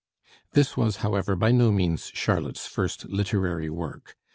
This was however by no means Charlotte's first literary work.